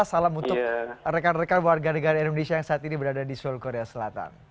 salam untuk rekan rekan warga negara indonesia yang saat ini berada di seoul korea selatan